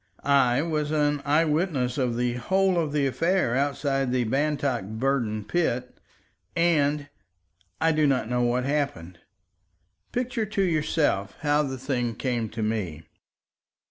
I was an eye witness of the whole of the affair outside the Bantock Burden pit, and—I do not know what happened. Picture to yourself how the thing came to me.